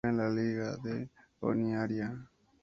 Juega en la Liga de Honiara.